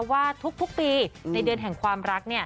ว่าทุกปีในเดือนแห่งความรัก